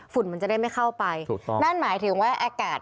ฝุ่นมันจะได้ไม่เข้าไปหมายถึงว่าอากาศ